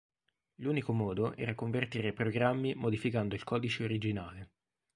L'unico modo era convertire i programmi modificando il codice originale.